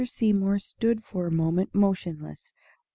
Seymour stood for a moment speechless.